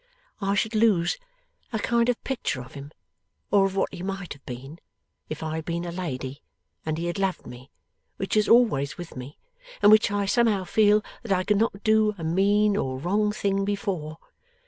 I should lose a kind of picture of him or of what he might have been, if I had been a lady, and he had loved me which is always with me, and which I somehow feel that I could not do a mean or a wrong thing before.